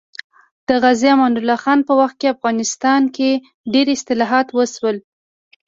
د غازي امان الله خان په وخت کې افغانستان کې ډېر اصلاحات وشول